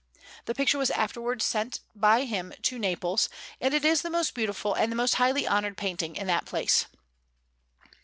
The picture was afterwards sent by him to Naples ... and it is the most beautiful and the most highly honoured painting in that place.